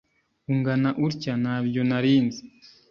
ungana utya nabyo narinzi